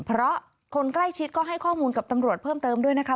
เพราะคนใกล้ชิดก็ให้ข้อมูลกับตำรวจเพิ่มเติมด้วยนะคะ